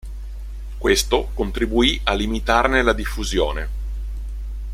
Questo contribuì a limitarne la diffusione.